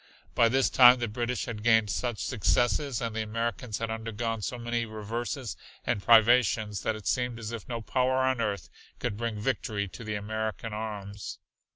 By this time the British had gained such successes and the Americans had undergone so many reverses and privations that it seemed as if no power on earth could bring victory to the American arms.